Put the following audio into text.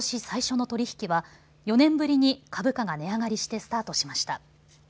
最初の取り引きは４年ぶりに株価が値上がりしてスタートしました。